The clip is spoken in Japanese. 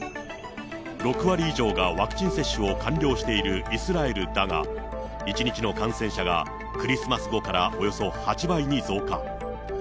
６割以上がワクチン接種を完了しているイスラエルだが、１日の感染者がクリスマス後からおよそ８倍に増加。